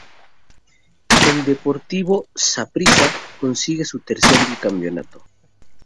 El Deportivo Saprissa consigue su tercer bicampeonato.